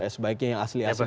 sebaiknya yang asli asli